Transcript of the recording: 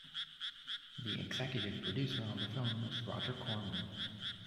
The executive producer on the film was Roger Corman.